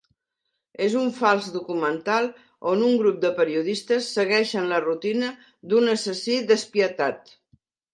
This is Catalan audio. És un fals documental on un grup de periodistes segueix la rutina d'un assassí despietat.